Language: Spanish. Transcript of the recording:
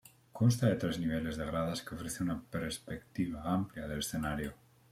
Consta de tres niveles de gradas que ofrecen una perspectiva amplia del escenario.